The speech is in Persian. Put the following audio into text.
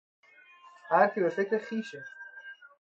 هر کی به فکر خویشه